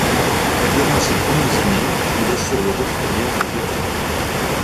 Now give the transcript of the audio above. Durant ses premières années, il assure le retour d'air des autres puits.